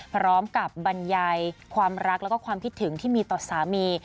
พร้อมกับบรรยายความรักแล้วก็ความคิดถึงที่มีต่อสามี